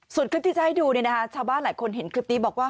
ส่วนคลิปที่จะให้ดูชาวบ้านหลายคนเห็นคลิปนี้บอกว่า